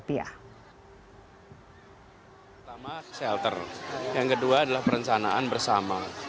pertama shelter yang kedua adalah perencanaan bersama